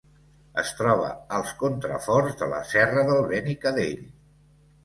Es troba als contraforts de la serra del Benicadell.